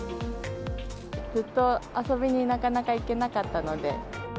ずっと遊びになかなか行けなかったので。